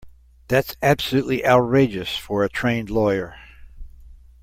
That's absolutely outrageous for a trained lawyer.